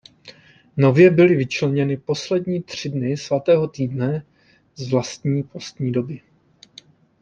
Nově byly vyčleněny poslední tři dny Svatého týdne z vlastní postní doby.